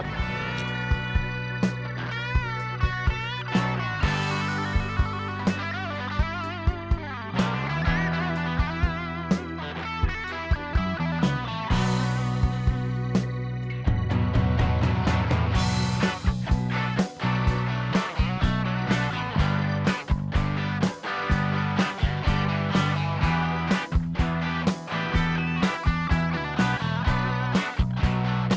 ขอบคุณครับ